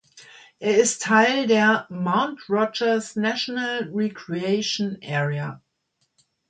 Er ist Teil der "Mount Rogers National Recreation Area".